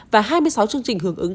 và hai mươi sáu chương trình hưởng ứng